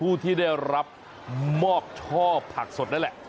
ผู้ที่ได้รับมอบช่อผักสดนั่นแหละ